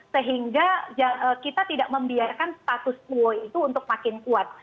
sehingga kita tidak membiarkan status quo itu untuk makin kuat